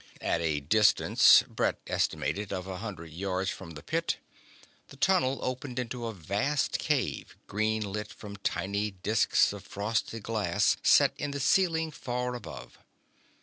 At a distance, Brett estimated, of a hundred yards from the pit, the tunnel opened into a vast cave, green lit from tiny discs of frosted glass set in the ceiling far above.